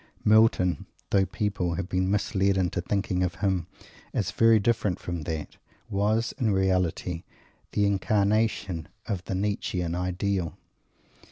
Milton, though people have been misled into thinking of him as very different from that, was, in reality, the incarnation of the Nietzschean ideal.